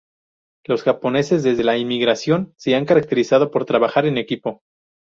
Los japoneses, desde la inmigración se han caracterizado por trabajar en equipo.